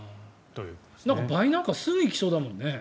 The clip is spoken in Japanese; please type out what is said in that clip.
倍なんてすぐに行きそうだもんね。